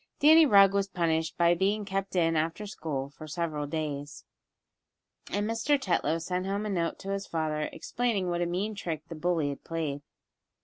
Danny Rugg was punished by being kept in after school for several days, and Mr. Tetlow sent home a note to his father, explaining what a mean trick the bully had played.